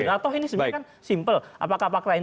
atau ini sebenarnya kan simple apakah pak lain